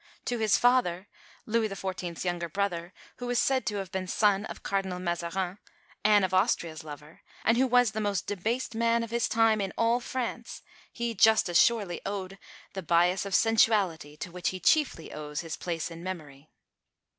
To his father, Louis XIV.'s younger brother, who is said to have been son of Cardinal Mazarin, Anne of Austria's lover, and who was the most debased man of his time in all France, he just as surely owed the bias of sensuality to which he chiefly owes his place in memory.